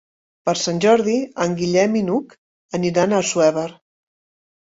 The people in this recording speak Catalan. Per Sant Jordi en Guillem i n'Hug aniran a Assuévar.